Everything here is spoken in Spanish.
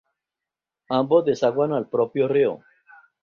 Ambos desaguan al propio río.